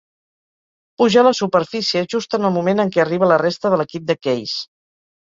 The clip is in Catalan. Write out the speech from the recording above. Puja a la superfície just en el moment en què arriba la resta de l'equip de Keyes.